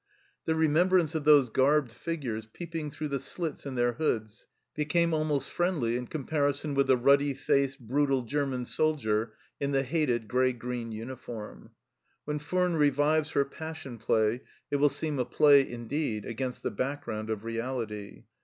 The remembrance of those garbed figures peeping through the slits in their hoods became almost friendly in comparison with the ruddy faced, brutal German soldier in the hated grey green uniform. When Furnes revives her Passion play, it will seem a play indeed against the background of reality.